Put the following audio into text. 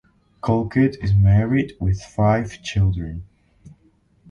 Colquitt is married with five children.